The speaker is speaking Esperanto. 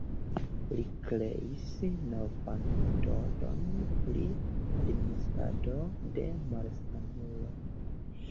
Li kreis novan metodon pri administrado de malsanuloj.